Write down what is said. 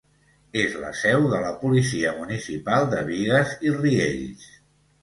És la seu de la Policia Municipal de Bigues i Riells.